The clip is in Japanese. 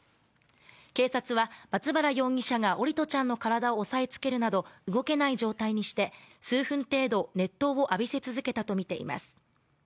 警察は松原容疑者が桜利斗ちゃんの体を押さえつけるなど動けない状態にして、数分程度熱湯を浴びせ続けたとみています。